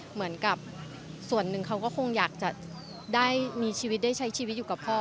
เหมือนกับส่วนหนึ่งเขาก็คงอยากจะได้มีชีวิตได้ใช้ชีวิตอยู่กับพ่อ